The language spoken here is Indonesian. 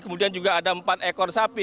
kemudian juga ada empat ekor sapi